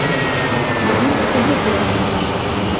Бөгөн ҡыҙы тыуасаҡ!